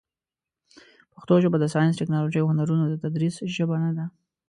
پښتو ژبه د ساینس، ټکنالوژۍ، او هنرونو د تدریس ژبه نه ده.